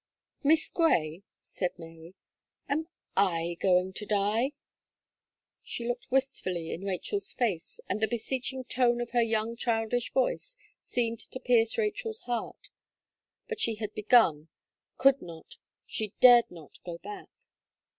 "Miss Gray," said Mary, "am I going to die?" She looked wistfully in Rachel's face, and the beseeching tone of her young childish voice seemed to pierce Rachel's heart; but she had began; could not, she dared not go back.